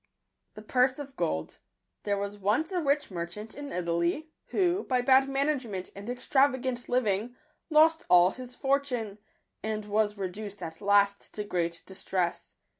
no JO JL_ $Purge of ffioft. was once a rich merchant in Italy, who, by bad management and extravagant living, lost all his fortune, and was reduced at last to great distress.